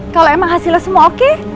kalau emang hasilnya semua oke